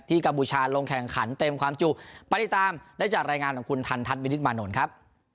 กัมพูชาลงแข่งขันเต็มความจุไปติดตามได้จากรายงานของคุณทันทัศวินิตมานนท์ครับ